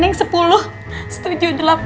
jangan sampai kedengeran rosan aku